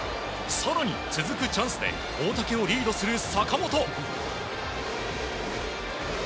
更に、続くチャンスで大竹をリードする坂本。